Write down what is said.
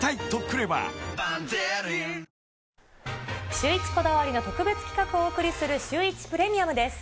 シューイチこだわりの特別企画をお送りするシューイチプレミアムです。